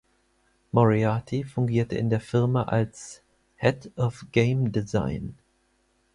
Moriarty fungierte in der Firma als „Head of Game Design“.